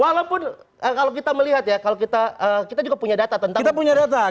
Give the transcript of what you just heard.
walaupun kalau kita melihat ya kalau kita juga punya data tentang